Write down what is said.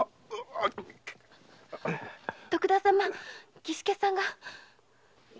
徳田様儀助さんが。